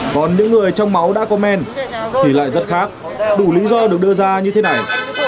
còn những người trong máu đã có men thì lại rất khác đủ lý do được đưa ra như thế này